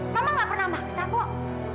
mama gak pernah maksa kok